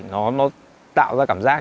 nó tạo ra cảm giác